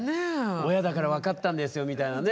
親だから分かったんですよみたいなね